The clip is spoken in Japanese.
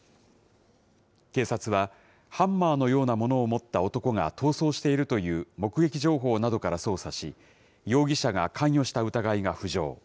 警察は、ハンマーのようなものを持った男が逃走しているという目撃情報などから捜査し、容疑者が関与した疑いが浮上。